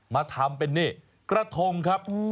มาทำเป็นนี่กระทงครับ